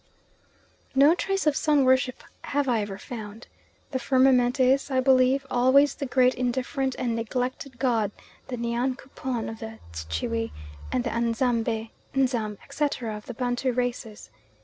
No trace of sun worship have I ever found. The firmament is, I believe, always the great indifferent and neglected god, the Nyan Kupon of the Tschwi, and the Anzambe, Nzam, etc., of the Bantu races.